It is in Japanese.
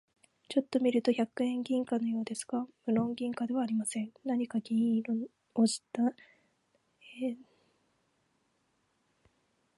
ちょっと見ると百円銀貨のようですが、むろん銀貨ではありません。何か銀色をした鉛製なまりせいのメダルのようなものです。